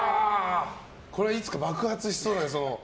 これ、いつか爆発しそうだね。